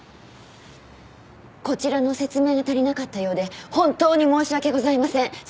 こちらの説明が足りなかったようで本当に申し訳ございません。